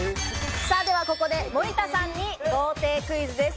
ではここで森田さんに豪邸クイズです。